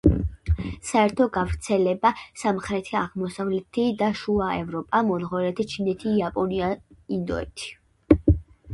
საერთო გავრცელება: სამხრეთი, აღმოსავლეთი და შუა ევროპა, მონღოლეთი, ჩინეთი, იაპონია, ინდოეთი.